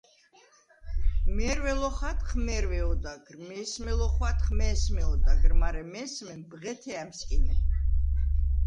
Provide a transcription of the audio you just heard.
მე̄რვე ლოხატხ, მე̄რვე ოდაგრ, მე̄სმე ლოხვატხ, მე̄სმე ოდაგრ, მარე მე̄სმემ ბღეთე ა̈მსკინე.